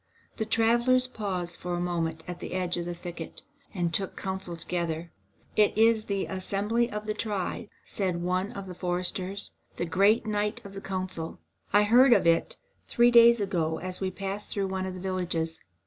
The travellers paused for a moment at the edge of the thicket, and took counsel together. "It is the assembly of the tribe," said one of the foresters, "the great night of the council. I heard of it three days ago, as we passed through one of the villages.